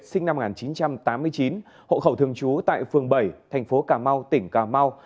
sinh năm một nghìn chín trăm tám mươi chín hộ khẩu thường trú tại phường bảy tp ca mau tỉnh ca mau